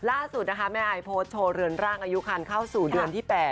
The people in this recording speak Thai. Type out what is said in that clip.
ล่าสุดนะคะแม่ไอโพสต์โชว์เรือนร่างอายุคันเข้าสู่เดือนที่๘